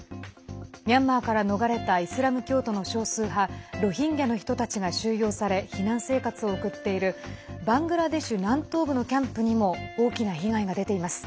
ミャンマーから逃れたイスラム教徒の少数派ロヒンギャの人たちが収容され避難生活を送っているバングラデシュ南東部のキャンプにも大きな被害が出ています。